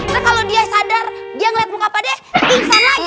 terus kalo dia sadar dia ngeliat muka pak de pingsan lagi